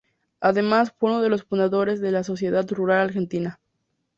Además, fue uno de los fundadores de la Sociedad Rural Argentina.